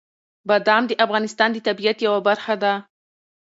بادام د افغانستان د طبیعت یوه برخه ده.